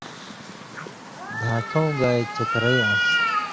دھان٘کؤں گائ چھترئ آن٘سیۡ